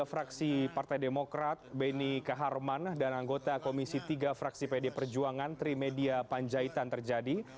berita terkini mengenai komisi tiga fraksi partai demokrat beni k harman dan anggota komisi tiga fraksi pd perjuangan trimedia panjaitan terjadi